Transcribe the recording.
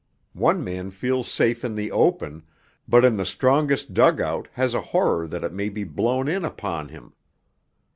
One man feels safe in the open, but in the strongest dug out has a horror that it may be blown in upon him.